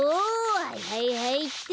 はいはいはいっと。